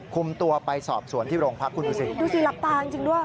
คุมตัวไปสอบสวนที่โรงพักคุณดูสิดูสิหลับตาจริงด้วย